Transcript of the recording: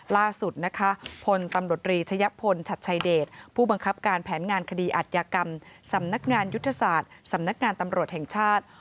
ล่าสุดนะคะพลตำรวจรีชะยะพลชัดชัยเดชผู้บังคับการแผนงานคดีอัธยากรรมสำนักงานยุทธศาสตร์สำนักงานตำรวจแห่งชาติ